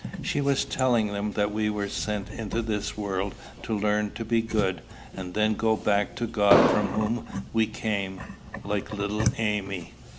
She was telling them that we were sent into this world to learn to be good, and then go back to God from whom we came, like little Amy.